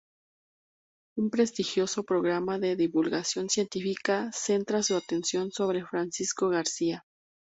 Un prestigioso programa de divulgación científica centra su atención sobre Francisco García.